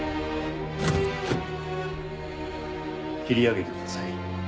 切り上げてください。